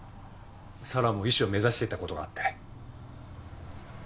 四朗も医師を目指していた事があって。